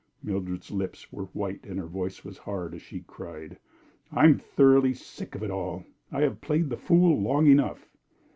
Mildred's lips were white and her voice hard as she cried: "I am thoroughly sick of it all. I have played the fool long enough."